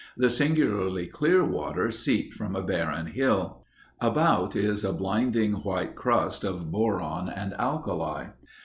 The singularly clear water seeped from a barren hill. About, is a blinding white crust of boron and alkali.